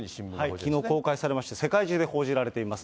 きのう公開されまして、世界中で報じられています。